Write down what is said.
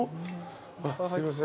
すいません。